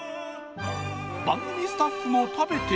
番組スタッフも食べてみた。